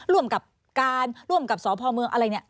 ร่วมกับการร่วมกับสพเมืองอะไรเนี่ย